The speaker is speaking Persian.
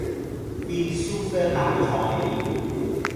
فیلسوف قهوهخانهای